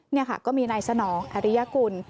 นี่ค่ะก็มีนายสนองอริยกุล